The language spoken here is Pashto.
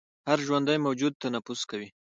هر ژوندی موجود تنفس کوي